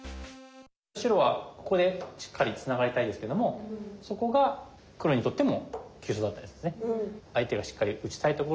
白はここでしっかりつながりたいですけどもそこが黒にとっても急所だったんですね。